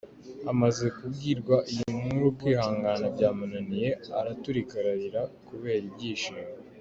Amaze kubwirwa iyi nkuru kwihangana byamunaniye araturika ararira kubera ibyishimo.